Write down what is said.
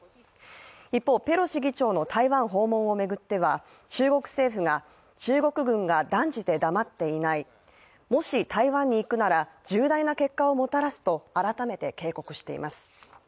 一方、ペロシ議長の台湾訪問を巡っては中国政府が、中国軍が断じて黙っていない、もし台湾に行くなら、重大な結果をもたらすと改めて警告しています。